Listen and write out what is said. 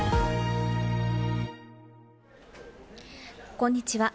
こんにちは。